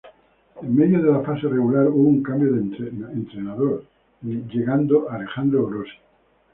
En medio de la fase regular hubo un cambio de entrenador, llegando Alejandro Grossi.